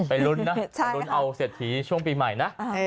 ไปลุ้นนะลุ้นเอาเสร็จถีช่วงปีใหม่นะ